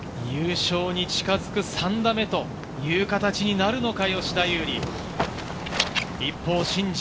優勝に近づく３打目という形になるのか？